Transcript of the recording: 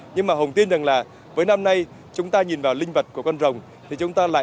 nhưng mà hồng tin rằng là với năm nay chúng ta nhìn vào linh vật của con rồng